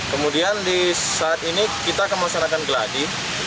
kemudian di saat ini kita akan melaksanakan geladi